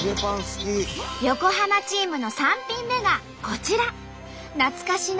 横浜チームの３品目がこちら。